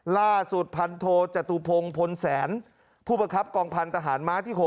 ล่าสุดพันโทจตุพงศ์พลแสนผู้ประคับกองพันธหารม้าที่๖